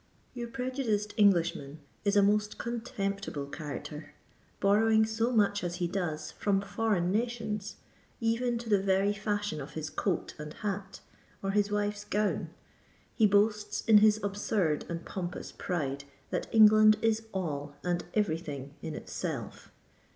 Your prejudiced Englishman is a most contemptible character:—borrowing so much as he does from foreign nations—even to the very fashion of his coat and hat, or his wife's gown—he boasts in his absurd and pompous pride, that England is all and every thing in itself.